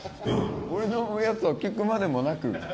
俺のやつは聞くまでもなく。